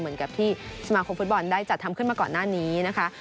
เหมือนกับที่สมาคมฟุตบอลได้จัดทำขึ้นมาก่อนหน้านี้นะคะ